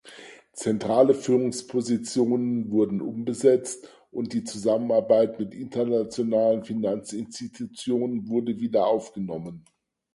Zentrale Führungspositionen wurden umbesetzt und die Zusammenarbeit mit internationalen Finanzinstitutionen wurde wieder aufgenommen.